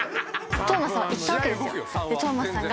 トーマスさんは行ったわけですよ。